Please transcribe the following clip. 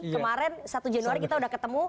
kemarin satu januari kita udah ketemu